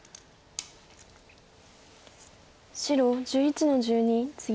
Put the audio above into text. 白１１の十二ツギ。